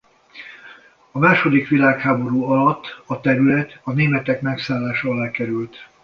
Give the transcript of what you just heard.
A második világháború alatt a terület a németek megszállása alá került.